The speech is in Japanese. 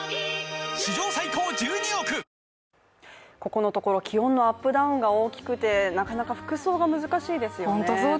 ここのところ、気温のアップダウンが大きくてなかなか服装が難しいですよね。